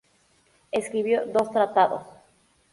Escribió dos tratados.